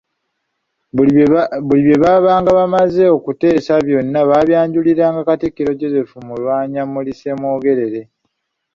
Buli bye babaanga bamaze okuteesa byonna babyanjuliranga Katikkiro Joseph Mulwanyammuli Ssemwogerere.